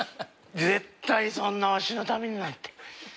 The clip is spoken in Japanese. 絶対そんなわしのためになんて。